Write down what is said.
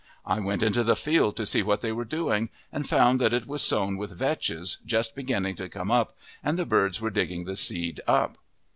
I went into the field to see what they were doing, and found that it was sown with vetches, just beginning to come up, and the birds were digging the seed up.